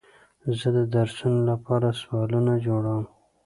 زه د درسونو لپاره سوالونه جوړوم.